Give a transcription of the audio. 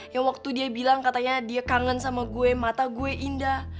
yang waktu dia bilang katanya dia kangen sama gue mata gue indah